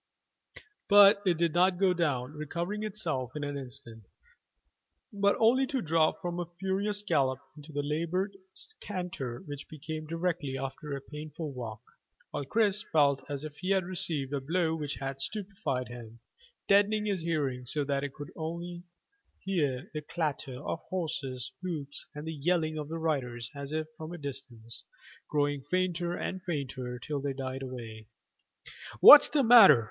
But it did not go down, recovering itself in an instant, but only to drop from a furious gallop into a laboured canter which became directly after a painful walk, while Chris felt as if he had received a blow which had stupefied him, deadening his hearing so that he only heard the clatter of horses' hoofs and the yelling of the riders as if from a distance, growing fainter and fainter till they died away. "What's the matter?